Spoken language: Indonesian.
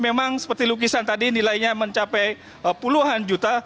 memang seperti lukisan tadi nilainya mencapai puluhan juta